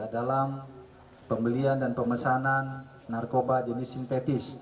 dalam pembelian dan pemesanan narkoba jenis sintetis